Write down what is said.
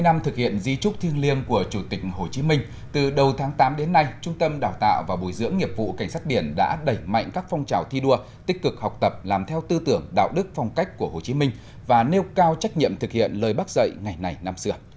bảy mươi năm thực hiện di trúc thiêng liêng của chủ tịch hồ chí minh từ đầu tháng tám đến nay trung tâm đào tạo và bồi dưỡng nghiệp vụ cảnh sát biển đã đẩy mạnh các phong trào thi đua tích cực học tập làm theo tư tưởng đạo đức phong cách của hồ chí minh và nêu cao trách nhiệm thực hiện lời bác dạy ngày này năm xưa